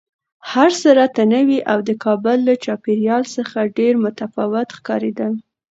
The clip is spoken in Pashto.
هر څه راته نوي او د کابل له چاپېریال څخه ډېر متفاوت ښکارېدل